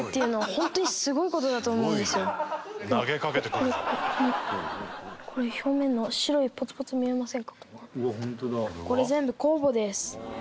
このこれ表面の白いポツポツ見えませんか？